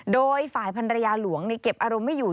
โดยฝ่ายพันรยาหลวงเก็บอารมณ์ไม่อยู่